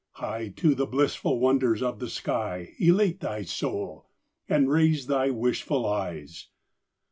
High to the blissful wonders of the skies Elate thy soul, and raise thy wishful eyes.